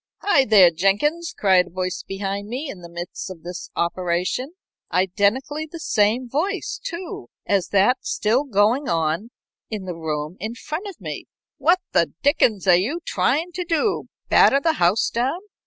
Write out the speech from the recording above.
"Hi, there, Jenkins!" cried a voice behind me, in the midst of this operation, identically the same voice, too, as that still going on in the room in front of me. "What the dickens are you trying to do batter the house down?"